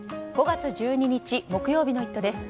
５月１２日、木曜日の「イット！」です。